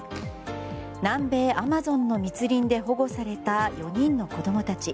南米アマゾンの密林で保護された４人の子供たち。